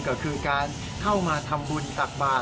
ก็คือการเข้ามาทำบุญตักบาท